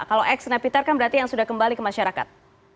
kalau ex napiter kan berarti yang sudah kembali ke masyarakat